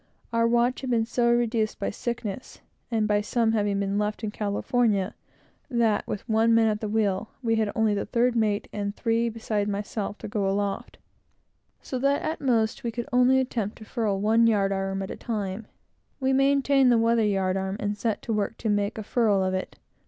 Our watch had been so reduced by sickness, and by some having been left in California, that, with one man at the wheel, we had only the third mate and three beside myself, to go aloft; so that at most, we could only attempt to furl one yard arm at a time. We manned the weather yard arm, and set to work to make a furl of it.